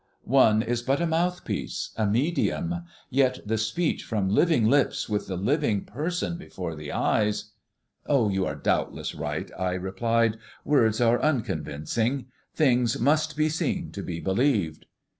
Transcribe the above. One is but a mouthpiece a medium; yet the speech from living lips with the living person before the eyes " "You are doubtless right," I replied; "words are unconvincing; things must be seen to be believed."